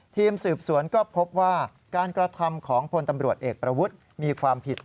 ทีมสืบสวนก็พบว่าการกระทำของพลตำรวจเอกประวุฒิมีความผิด